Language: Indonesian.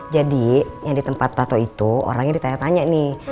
jadi yang di tempat tato itu orangnya ditanya tanya nih